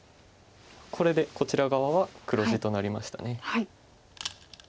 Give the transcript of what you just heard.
これでこちら側は黒地となりました。